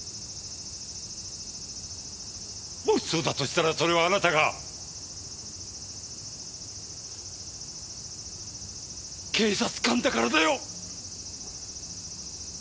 もしそうだとしたらそれはあなたが警察官だからだよ。